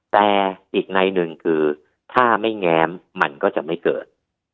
แต่อีกในหนึ่งคือถ้าไม่แง้มมันก็จะไม่เกิด